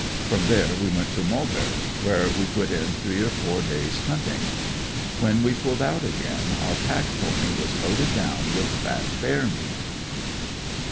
From there we went to Mulberry where we put in three or four days hunting. When we pulled out again our pack pony was loaded down with fat bear meat.